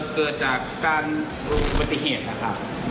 เกิดจากการปฏิเหตุนะครับ